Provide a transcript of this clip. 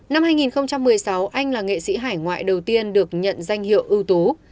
năm hai nghìn một mươi sáu anh là nghệ sĩ hải ngoại đầu tiên được nhận danh hiệu ưu tú